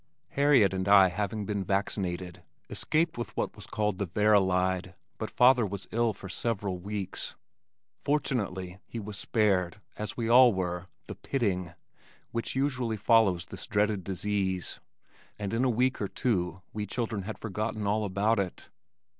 Harriet and I having been vaccinated, escaped with what was called the "verylide" but father was ill for several weeks. Fortunately he was spared, as we all were, the "pitting" which usually follows this dreaded disease, and in a week or two we children had forgotten all about it.